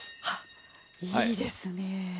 あっいいですねえ！